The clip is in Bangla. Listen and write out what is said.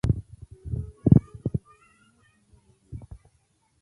ওই, সর্দারনী!